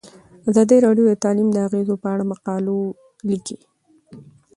ازادي راډیو د تعلیم د اغیزو په اړه مقالو لیکلي.